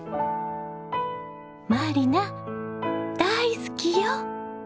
満里奈大好きよ。